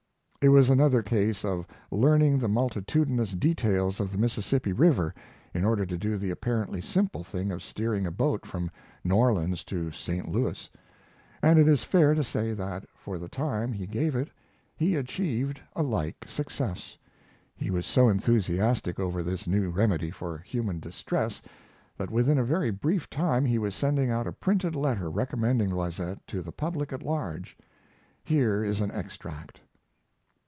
It was another case of learning the multitudinous details of the Mississippi River in order to do the apparently simple thing of steering a boat from New Orleans to St. Louis, and it is fair to say that, for the time he gave it, he achieved a like success. He was so enthusiastic over this new remedy for human distress that within a very brief time he was sending out a printed letter recommending Loisette to the public at large. Here is an extract